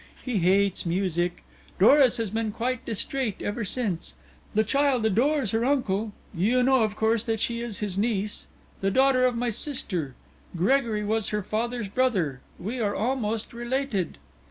He hates music. Doris has been quite distrait ever since. The child adores her uncle you know, of course, that she is his niece the daughter of my sister. Gregory was her father's brother we are almost related."